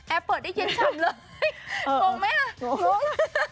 เปิดได้เย็นฉ่ำเลยงงไหมอ่ะงง